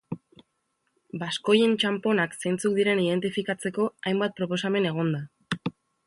Baskoien txanponak zeintzuk diren identifikatzeko hainbat proposamen egon da.